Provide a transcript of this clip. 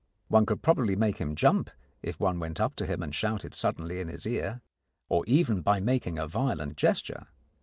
One could probably make him jump if one went up to him and shouted suddenly into his ear, or even by making a violent gesture.